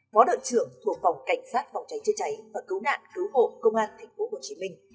phó đội trưởng của phòng cảnh sát vòng cháy chưa cháy và cứu nạn cứu hộ công an tp hcm